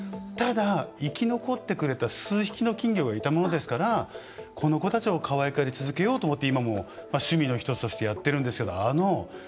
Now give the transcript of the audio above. ただ、生き残ってくれた数匹の金魚がいたものですからこの子たちをかわいがり続けようと思って今も趣味の１つとしてやってるんですけど。